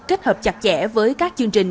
kết hợp chặt chẽ với các chương trình